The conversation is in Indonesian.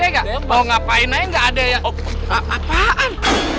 kita mau ngapain aja nggak ada ya oh apaan